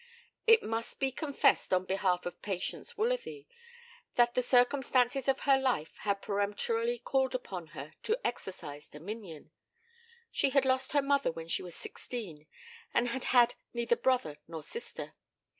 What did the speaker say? It must be confessed on behalf of Patience Woolsworthy that the circumstances of her life had peremptorily called upon her to exercise dominion. She had lost her mother when she was sixteen, and had had neither brother nor sister.